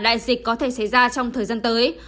đại dịch có thể xảy ra trong thời gian tới